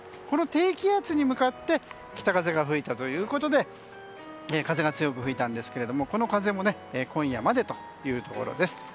この低気圧に向かって北風が吹いたということで風が強く吹いたんですけどこの風も今夜までというところです。